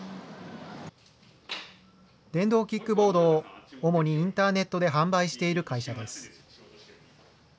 電動キックボードを主にインターネットで販売している会社です。